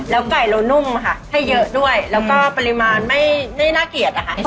ไก่เรานุ่มค่ะให้เยอะด้วยแล้วก็ปริมาณไม่น่าเกลียดอะค่ะ